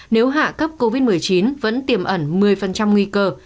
nếu hạ cấp covid một mươi chín vẫn tiềm ẩn một mươi nguy cơ